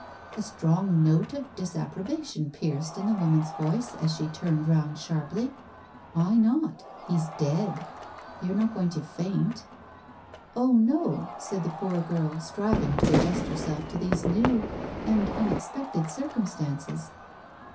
A strong note of disapprobation pierced in the woman's voice as she turned round sharply — "Why not? He's dead. You're not going to faint?" "Oh, no," said the poor girl, striving to adjust herself to these new and unexpected circumstances.